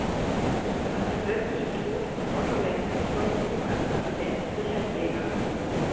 Nach dem plötzlichen Tod von Otto Lenz folgte ihm als Präsident Richard Jaeger.